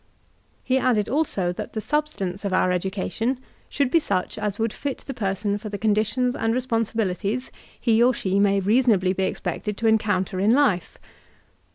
He added also that the substance of our education should be such as would fit the person for the conditions and responsibilities he or she may reasonably be expected to encounter in life.